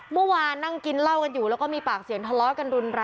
เมื่อวานนั่งกินเหล้ากันอยู่แล้วก็มีปากเสียงทะเลาะกันรุนแรง